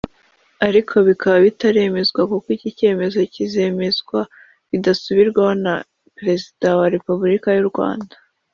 ariko bikaba bitaremezwa kuko iki cyimezo kizemezwa bidasubirwaho na Perezida wa Repubulika y’u Rwanda